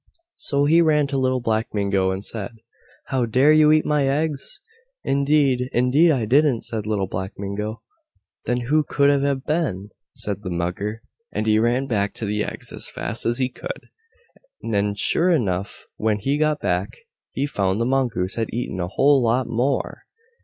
So he ran to Little Black Mingo, and said, "How dare you eat my eggs?" "Indeed, indeed I didn't," said Little Black Mingo. "Then who could it have been?" said the Mugger, and he ran back to the eggs as fast as he could, and sure enough when he got back he found the Mongoose had eaten a whole lot more!!